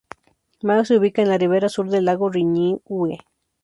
Mae se ubica en la ribera sur del Lago Riñihue.